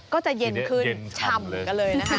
ก็จะเย็นขึ้นช่ำกันเลยนะคะ